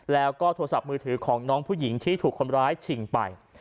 แล้วก็โทรศัพท์มือถือของน้องผู้หญิงที่ถูกคนร้ายชิงไป